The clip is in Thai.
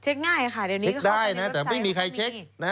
เช็กง่ายค่ะเดี๋ยวนี้ค่ะเช็กได้นะแต่ไม่มีใครเช็กนะ